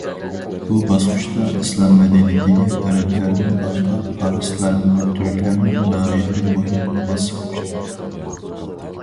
بۇ باسقۇچتا ئىسلام مەدەنىيىتىگە ئەرەبلەردىن باشقا پارسلار بىلەن تۈركلەرمۇ ناھايىتى مۇھىم ھەسسە قوشتى.